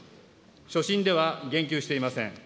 所信では、言及していません。